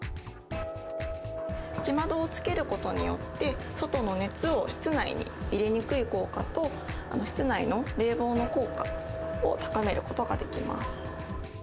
内窓をつけることによって、外の熱を室内に入れにくい効果と、室内の冷房の効果を高めることができます。